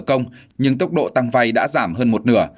tốc độ tăng nợ công nhưng tốc độ tăng vay đã giảm hơn một nửa